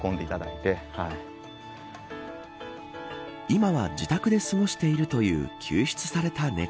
今は自宅で過ごしているという救出された猫。